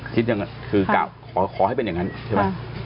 คิดอย่างนั้นคือขอให้เป็นอย่างนั้นใช่ไหม